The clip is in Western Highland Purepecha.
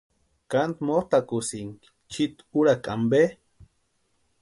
¿Kánti motʼakusïnki chiiti úrakwa ampe?